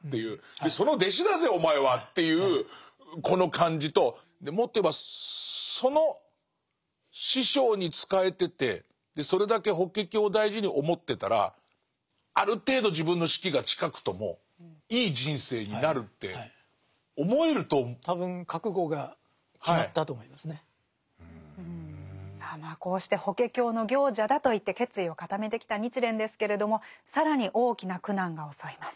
でその弟子だぜお前はっていうこの感じともっと言えばその師匠に仕えててそれだけ「法華経」を大事に思ってたらある程度さあこうして「法華経の行者」だといって決意を固めてきた日蓮ですけれども更に大きな苦難が襲います。